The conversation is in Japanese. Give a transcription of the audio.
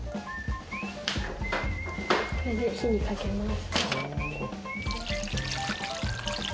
これで火にかけます。